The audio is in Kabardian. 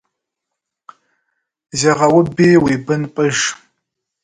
Зегъэуби уи бын пӏыж.